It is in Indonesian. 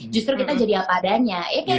justru kita jadi apa adanya ya kayak